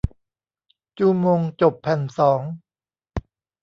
จูมงจบแผ่นสอง